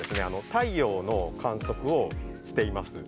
太陽の観測をしています。